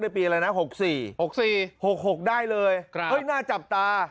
ในปีอะไรนะ๖๔๖๖ได้เลยเห้ยหน้าจับตา